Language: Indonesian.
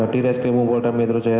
direskrim wumpol dan metro jaya